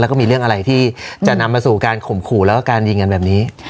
แล้วก็มีเรื่องอะไรที่จะนำมาสู่การข่มขู่แล้วก็การยิงกันแบบนี้